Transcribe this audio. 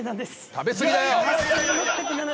食べ過ぎだよ。